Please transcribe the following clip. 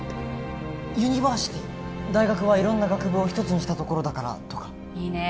ユニバーシティ大学は色んな学部を一つにした所だからとかいいねえ